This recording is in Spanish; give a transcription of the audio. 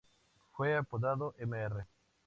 Fue apodado "Mr.